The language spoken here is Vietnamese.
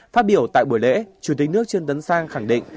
phát biểu tại buổi lễ chủ tịch nước trương tấn sang khẳng định